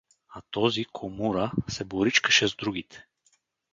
А този, Комура, се боричкаше с другите.